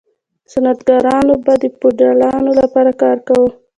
صنعتکارانو به د فیوډالانو لپاره کار کاوه.